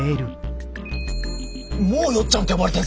もう「よっちゃん」って呼ばれてんすか？